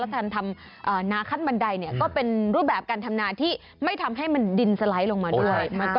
และน้าคลัดบันไดก็เป็นรูปแบบการทำนานหลายตรงค่อนข้าง